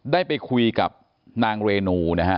ได้ไปคุยกับนางเรนูนะฮะ